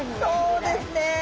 そうですね！